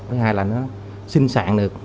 thứ hai là nó sinh sạn được